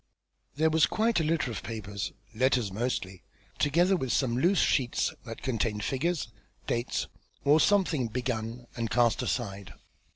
There was quite a litter of papers, letters mostly, together with some loose sheets that contained figures, dates, or something begun and cast aside.